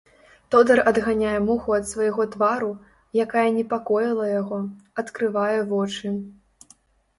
Тодар адганяе муху ад свайго твару, якая непакоіла яго, адкрывае вочы.